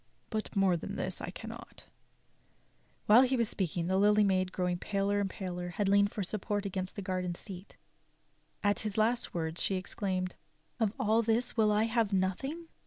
But more than this I cannot." While he had been speaking, the Lily Maid, growing paler and paler, had leaned for support against the garden seat. At his last words, she exclaimed; "Of all this will I have nothing!"